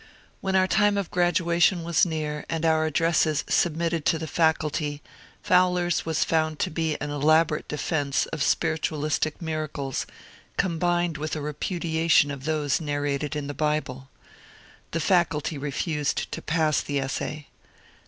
When our time of graduation was near and our addresses submitted to the Faculty, Fowler's was found to be an elaborate defence of spiritualistic mirades, combined with a repudiation of those narrated in the Bible. The Faculty refused to pass the essay.